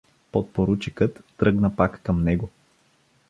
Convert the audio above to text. Подпоручикът тръгна пак към него.